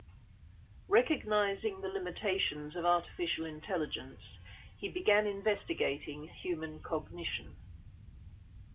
Recognizing the limitations of artificial intelligence, he began investigating human cognition.